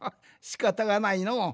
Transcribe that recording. しかたがないのう。